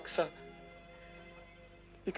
ikang tidak melihatnya